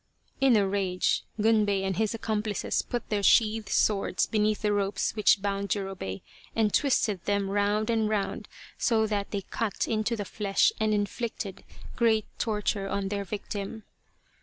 In a rage Gunbei and his accomplices put their sheathed swords beneath the ropes which bound Jurobei, and twisted them round and round so that they cut into the flesh and inflicted great torture on their victim.